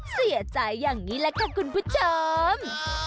เสียใจอย่างนี้แหละค่ะคุณผู้ชม